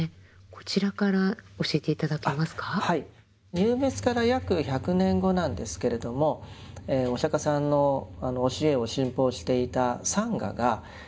入滅から約１００年後なんですけれどもお釈迦さんの教えを信奉していたサンガが２つに分かれます。